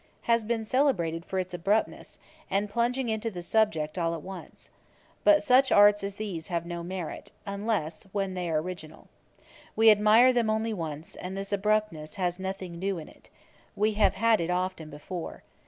has been celebrated for its abruptness, and plunging into the subject all at once. But such arts as these have no merit, unless when they are original. We admire them only once; and this abruptness has nothing new in it. We have had it often before.